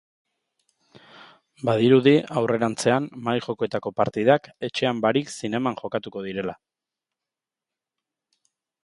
Badirudi aurrerantzean, mahai-jokoetako partidak etxean barik zineman jokatu direla!